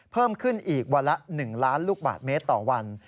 เพิ่มขึ้นอีกวันละ๑ล้านลูกบาทเมตรต่อวัน